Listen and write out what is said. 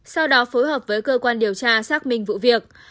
sau đó phối hợp với cơ quan điều tra xác minh vụ việc